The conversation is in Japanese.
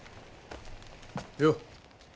よっ。